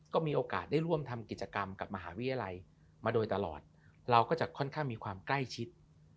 ก็มีโอกาสได้ร่วมทำกิจกรรมกับมหาวิทยาลัยมาโดยตลอดเราก็จะค่อนข้างมีความใกล้ชิด